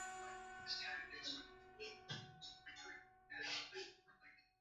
na uhalifu wa kifedha amesema afisa mwandamizi wa benki kuu ya Uganda